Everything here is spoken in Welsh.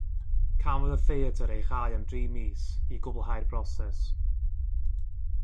Cafodd y theatr ei chau am dri mis i gwblhau'r broses.